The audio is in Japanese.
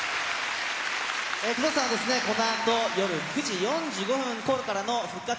工藤さんはですね、このあと、夜９時４５分ころからの復活！